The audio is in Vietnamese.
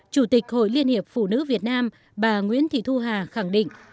chủ tịch hội liên hiệp phụ nữ việt nam bà nguyễn thị thu hà khẳng định